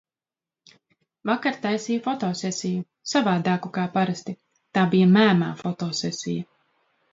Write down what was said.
Vakar taisīju fotosesiju. Savādāku kā parasti. Tā bija mēmā fotosesija.